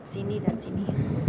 sini dan sini